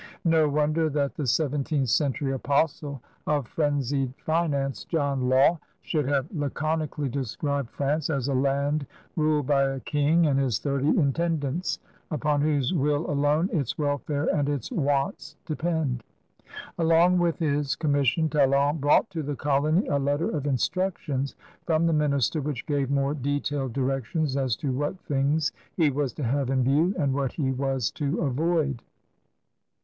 No wonder that the seventeenth century apostle of frenzied finance, John Law, should have laconically described France as a land '^ ruled by a king and his thirty intendants, upon whose will alone its welfare and its wants depend. '' Alpng with his commission Talon brought to the colony a letter of instructions from the minister which gave more detailed directions as to what things he was to have in view and what he was to avoid.